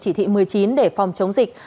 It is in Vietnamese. chỉ thị một mươi chín để phòng chống dịch